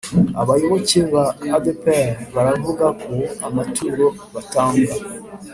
abayoboke ba adpr baravugako amaturo batanga